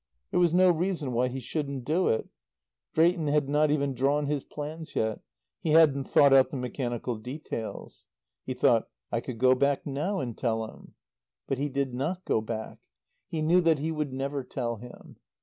There was no reason why he shouldn't do it. Drayton had not even drawn his plans yet; he hadn't thought out the mechanical details. He thought, "I could go back now and tell him." But he did not go back. He knew that he would never tell him.